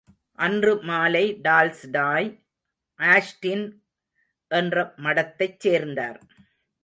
அன்று மாலை டால்ஸ்டாய் ஆஷ்டின் என்ற மடத்தைச் சேர்ந்தார்.